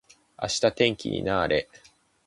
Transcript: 明日天気にな～れ。